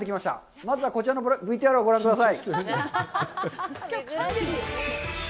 まずはこちらのＶＴＲをご覧ください。